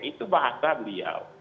itu bahasa beliau